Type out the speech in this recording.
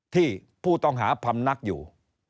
ที่ผู้ต้องหาพำนักอยู่